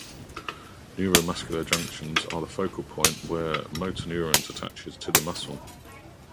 Neuromuscular junctions are the focal point where a motor neuron attaches to a muscle.